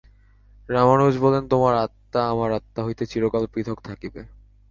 রামানুজ বলেন, তোমার আত্মা আমার আত্মা হইতে চিরকাল পৃথক থাকিবে।